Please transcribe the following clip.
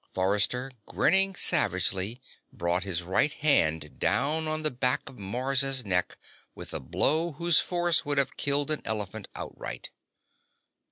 Forrester, grinning savagely, brought his right hand down on the back of Mars' neck with a blow whose force would have killed an elephant outright.